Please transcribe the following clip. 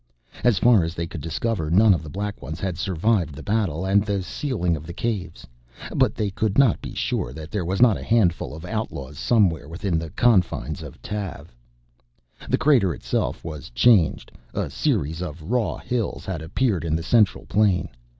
As far as they could discover, none of the Black Ones had survived the battle and the sealing of the Caves. But they could not be sure that there was not a handful of outlaws somewhere within the confines of Tav. The Crater itself was changed. A series of raw hills had appeared in the central plain.